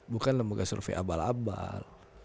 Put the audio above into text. bukan lembaga survei abal abal